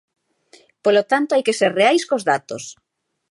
Polo tanto, hai que ser reais cos datos.